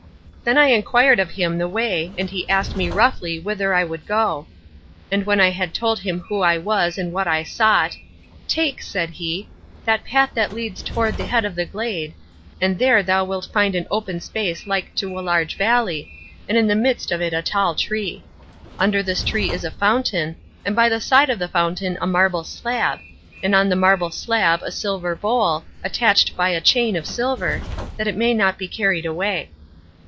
Then I inquired of him the way and he asked me roughly whither I would go. And when I had told him who I was and what I sought, 'Take,' said he, 'that path that leads toward the head of the glade, and there thou wilt find an open space like to a large valley, and in the midst of it a tall tree. Under this tree is a fountain, and by the side of the fountain a marble slab, and on the marble slab a silver bowl, attached by a chain of silver, that it may not be carried away.